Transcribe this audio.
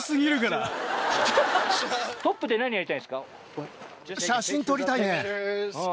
トップで何やりたいですか？